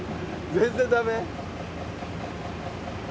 全然ダメ？